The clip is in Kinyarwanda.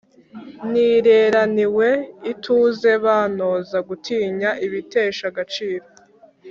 Nireraniwe ituze Bantoza gutinya Ibitesha agaciro